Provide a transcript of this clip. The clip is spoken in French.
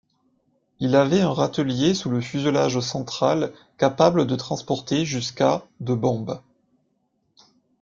Il avait un râtelier sous le fuselage central capable de transporter jusqu'à de bombes.